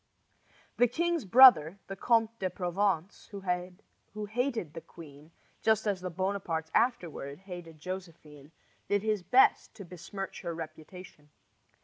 The king's brother, the Comte de Provence, who hated the queen, just as the Bonapartes afterward hated Josephine, did his best to besmirch her reputation.